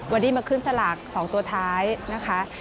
วันนี้มาขึ้นสลาก๒ตัวท้ายนะคะ